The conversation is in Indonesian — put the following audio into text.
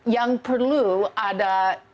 yang perlu ada